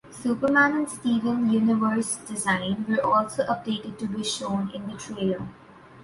Superman and Steven Universe’s designs were also updated to be shown in the trailer.